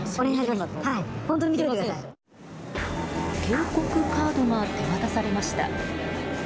警告カードが手渡されました。